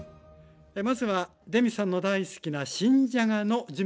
まずはレミさんの大好きな新じゃがの準備からお願いします。